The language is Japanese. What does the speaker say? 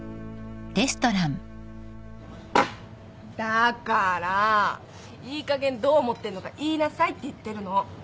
だからいいかげんどう思ってんのか言いなさいって言ってるの。